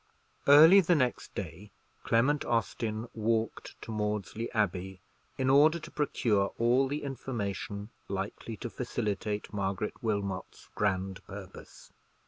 Early the next day Clement Austin walked to Maudesley Abbey, in order to procure all the information likely to facilitate Margaret Wilmot's grand purpose.